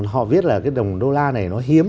họ biết là cái đồng đô la này nó hiếm